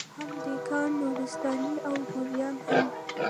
هم دېګان، نورستاني او ګوریان هم